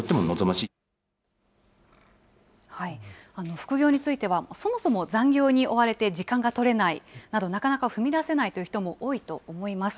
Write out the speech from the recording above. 副業については、そもそも残業に追われて時間が取れないなど、なかなか踏み出せないという人も多いと思います。